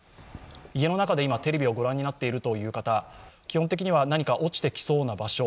家の中でテレビを御覧になっている方、基本的には何か落ちてきそうな場所